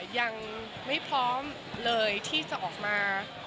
ยังไม่พร้อมเลยที่จะออกมา